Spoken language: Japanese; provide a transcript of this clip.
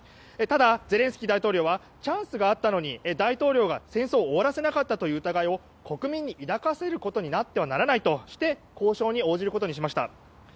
ただゼレンスキー大統領はチャンスがあったのに大統領が戦争を終わらせなかったという疑いを国民に抱かせることになってはならないとして交渉に応じることにしました。